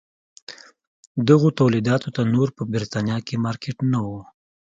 دغو تولیداتو ته نور په برېټانیا کې مارکېټ نه و.